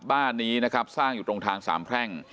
บ้านนี้สร้างอยู่ตรงทาง๓แพร่ง